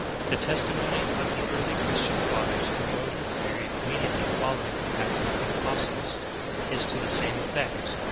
The testimony of the early "Christian fathers" who wrote in the period im mediately following the passing of the apostles, is to the same effect.